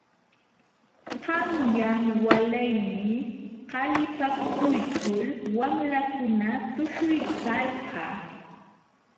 Qanyan walaymi qalipakuykul wamlakuna tushuykalqa.